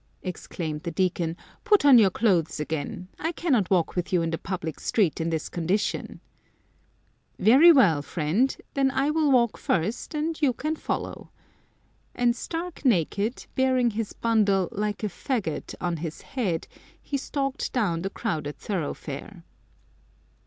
exclaimed the Deacon, " put on your clothes again. I cannot walk with you in the public street in this condition." " Very we!l, friend, then I will walk first, and you can follow." And stark naked, bearing his bundle " like a faggot " on his head, he stalked down the crowded thoroughfare.